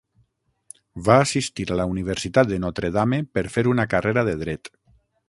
Va assistir a la Universitat de Notre Dame per fer una carrera de dret.